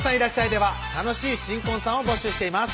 では楽しい新婚さんを募集しています